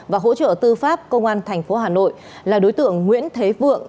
và hỗ trợ tư pháp công an thành phố hà nội là đối tượng nguyễn thế vượng